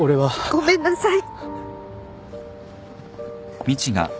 ごめんなさい。